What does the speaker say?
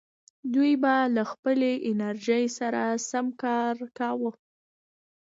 دوی به له خپلې انرژۍ سره سم کار کاوه.